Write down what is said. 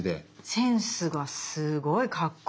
センスがすごいかっこいいですね。